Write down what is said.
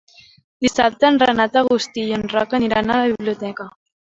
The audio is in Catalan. Dissabte en Renat August i en Roc aniran a la biblioteca.